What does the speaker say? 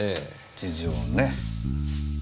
事情ね。